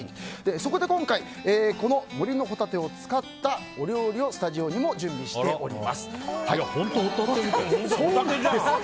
そこで今回、森のほたてを使ったお料理をスタジオにも準備しております。